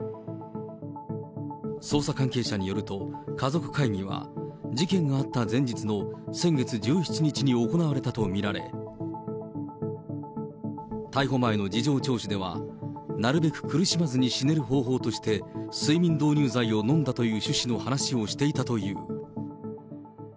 捜査関係者によると、家族会議は、事件があった前日の先月１７日に行われたと見られ、逮捕前の事情聴取では、なるべく苦しまずに死ねる方法として、睡眠導入剤を飲んだという趣旨の話をしていたという。